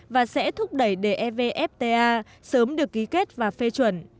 và sẽ thúc đẩy để evfta sớm được ký kết và phê chuẩn